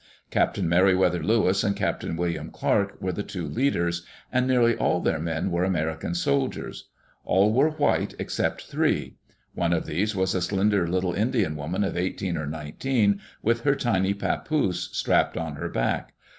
Captain Meri wether Lewis and Captain William Clark were the two leaders, and nearly all their men were American soldiers. All were white except three. One of these was a slender little Indian woman of eighteen or nineteen, with her tiny papoose strapped on her back.